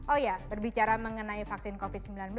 oh ya berbicara mengenai vaksin covid sembilan belas